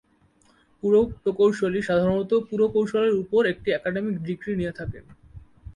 পুর-প্রকৌশলী সাধারণত পুরকৌশল এর উপর একটি একাডেমিক ডিগ্রী নিয়ে থাকেন।